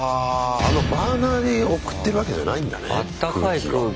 ああのバーナーで送ってるわけじゃないんだね空気。